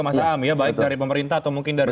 mas am ya baik dari pemerintah atau mungkin dari